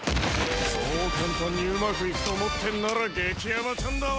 そう簡単にうまくいくと思ってるなら激甘ちゃんだわ！